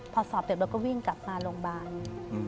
พอสอบเสร็จเราก็วิ่งกลับมาโรงพยาบาล